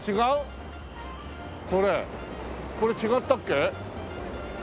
これ違ったっけ？